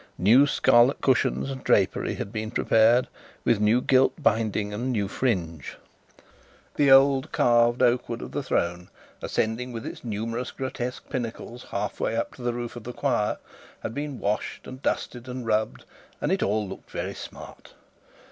New scarlet cushions and drapery had been prepared, with new gilt binding and new fringe. The old carved oak wood of the throne, ascending with its numerous grotesque pinnacles, half way up to the rood of the choir, had been washed, and dusted, and rubbed, and it all looked very smart.